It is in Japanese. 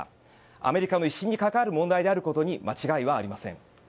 アメリカの威信にかかる問題であることに間違いはありません。